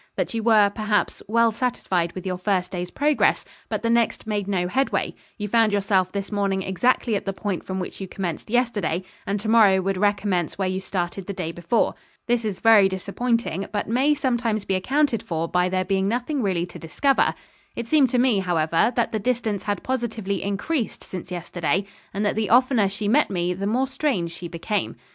That you were, perhaps, well satisfied with your first day's progress, but the next made no head way; you found yourself this morning exactly at the point from which you commenced yesterday, and to morrow would recommence where you started the day before. This is very disappointing, but may sometimes be accounted for by there being nothing really to discover. It seemed to me, however, that the distance had positively increased since yesterday, and that the oftener she met me the more strange she became.